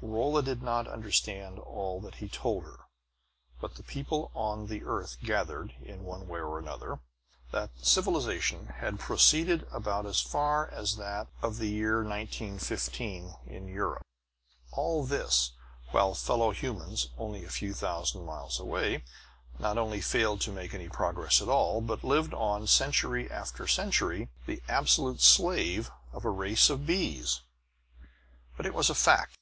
Rolla did not understand all that he told her; but the people on the earth gathered, in one way or another, that civilization had proceeded about as far as that of the year 1915 in Europe. All this, while fellow humans only a few thousand miles away, not only failed to make any progress at all, but lived on, century after century, the absolute slave of a race of bees! But it was a fact.